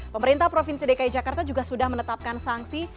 pemerintah provinsi dki jakarta juga sudah menetapkan sanksi